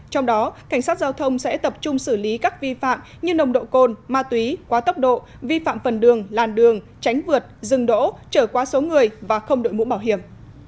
trong đó cảnh sát giao thông sẽ tập trung xử lý các vi phạm như nồng độ cồn ma túy quá tốc độ vi phạm phần đường làn đường tránh vượt dừng đỗ trở qua số người và không đội mũ bảo hiểm